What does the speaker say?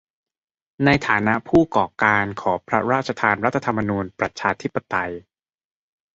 ในฐานะผู้ก่อการขอพระราชทานรัฐธรรมนูญประชาธิปไตย